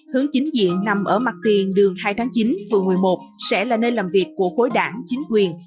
hướng chính diện nằm ở mặt tiền đường hai tháng chín phường một mươi một sẽ là nơi làm việc của khối đảng chính quyền